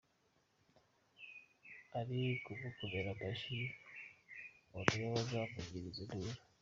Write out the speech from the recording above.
Abari kumukomera amashyi ubu nibo bazamuvugiriza induru!